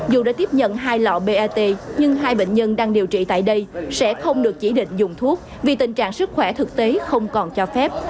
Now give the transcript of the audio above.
dù đã tiếp nhận hai lọ ba t nhưng hai bệnh nhân đang điều trị tại đây sẽ không được chỉ định dùng thuốc vì tình trạng sức khỏe thực tế không còn cho phép